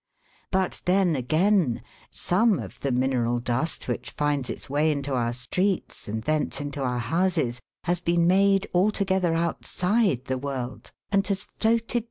But then, again, some of the mineral dust which finds its way into our streets, and thence into our houses, has been made altogether outside the world, and has floated Fig.